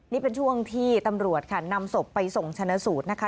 นี่เป็นช่วงที่ตำรวจค่ะนำศพไปส่งชนะสูตรนะคะ